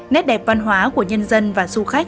nét đẹp văn hóa của nhân dân và du khách